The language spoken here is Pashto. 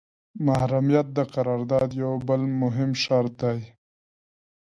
محرمیت د قرارداد یو بل مهم شرط دی.